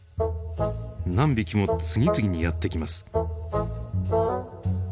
何匹も次々にやって来ます。